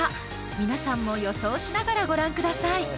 みなさんも予想しながらご覧ください